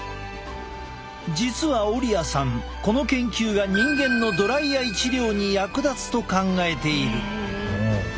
実はオリアさんこの研究が人間のドライアイ治療に役立つと考えている。